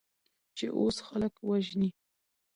چې اوس خلک وژنې؟